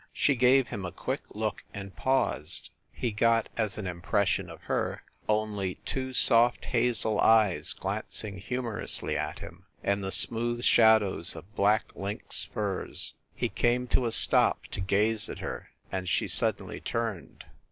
She gave him a quick look and paused. He got as an impression of her, only two soft hazel eyes glancing humorously at him, and the smooth shad ows of black lynx furs. He came to a stop to gaze at her, and she suddenly turned.